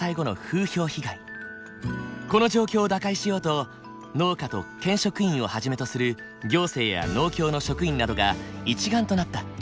この状況を打開しようと農家と県職員をはじめとする行政や農協の職員などが一丸となった。